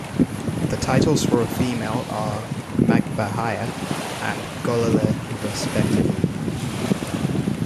The titles for a female are "Magbiahah" and "Golellet", respectively.